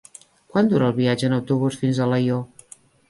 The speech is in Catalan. Quant dura el viatge en autobús fins a Alaior?